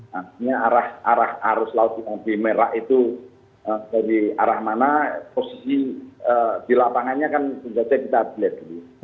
nah ini arah arah arus laut yang lebih merah itu dari arah mana posisi di lapangannya kan kita lihat dulu